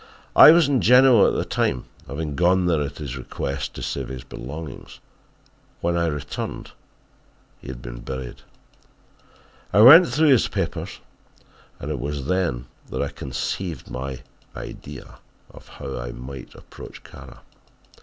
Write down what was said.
I was in Genoa at the time, having gone there at his request to save his belongings. When I returned he had been buried. I went through his papers and it was then that I conceived my idea of how I might approach Kara.